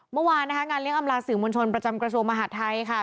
เมื่อวานนะคะงานเลี้ยอำลาสื่อมวลชนประจำกระทรวงมหาดไทยค่ะ